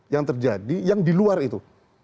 yang terjadi yang di luar itu